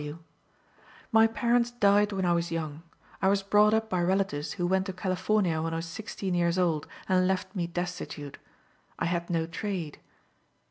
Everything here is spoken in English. C. W.: "My parents died when I was young. I was brought up by relatives who went to California when I was sixteen years old, and left me destitute. I had no trade."